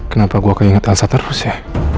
kenapa gue keinget alsa terus ya